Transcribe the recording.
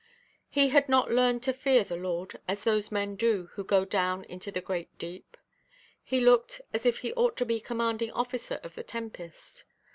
He had not learned to fear the Lord, as those men do who go down into the great deep. He looked as if he ought to be commanding–officer of the tempest.